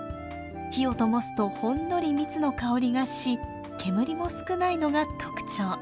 火をともすとほんのり蜜の香りがし煙も少ないのが特徴。